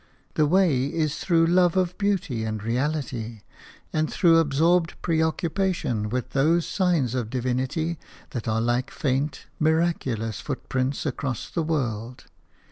The way is through love of beauty and reality, and through absorbed preoccupation with those signs of divinity that are like faint, miraculous foot prints across the world.